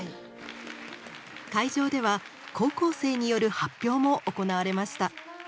会場では高校生による発表も行われました。